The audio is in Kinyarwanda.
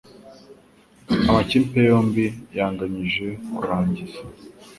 Amakipe yombi yanganyije kurangiza.